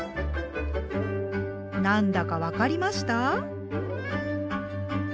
何だか分かりました？